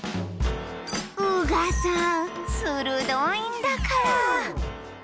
宇賀さん鋭いんだから。